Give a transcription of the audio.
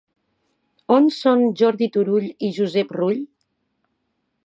On són Jordi Turull i Josep Rull?